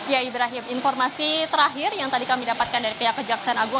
ya ibrahim informasi terakhir yang tadi kami dapatkan dari pihak kejaksaan agung